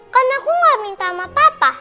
karena aku gak minta sama papa